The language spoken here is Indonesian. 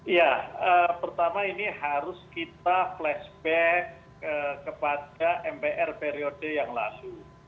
ya pertama ini harus kita flashback kepada mpr periode yang lalu